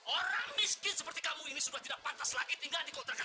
orang miskin seperti kamu ini sudah tidak pantas lagi tinggal dikontrakan saya